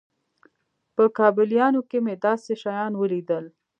په کابليانو کښې مې داسې شيان وليدل.